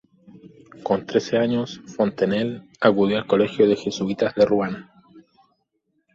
Con trece años, Fontenelle acudió al colegio de jesuítas de Ruán.